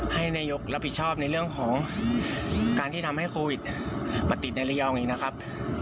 ให้นายกรับผิดชอบในเรื่องของการที่ทำให้โควิดมาติดในระยองอีกนะครับ